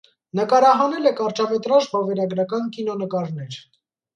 Նկարահանել է կարճամետրաժ վավերագրական կինոնկարներ։